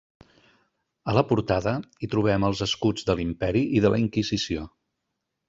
A la portada hi trobem els escuts de l'Imperi i de la Inquisició.